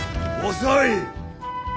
遅い！